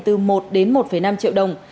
từ một đến một năm triệu đồng